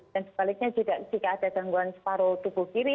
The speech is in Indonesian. dan sebaliknya jika ada gangguan separuh tubuh kiri